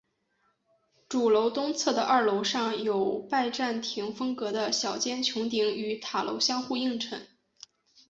主楼东侧的二楼上有拜占廷风格的小尖穹顶与塔楼相互映衬。